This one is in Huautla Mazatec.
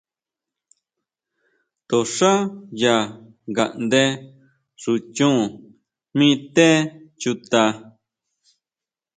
To xá ya ngaʼnde xú chon mi té chuta.